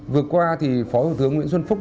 vừa qua thì phó thủ tướng nguyễn xuân phúc